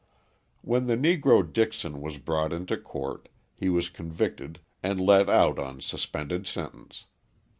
When the Negro Dixon was brought into court he was convicted and let out on suspended sentence.